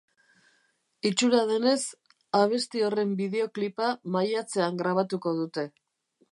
Itxura denez, abesti horren bideoklipa maiatzean grabatuko dute.